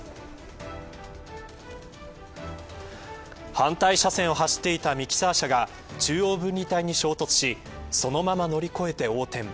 反対車線を走っていたミキサー車が中央分離帯に衝突しそのまま乗り越えて横転。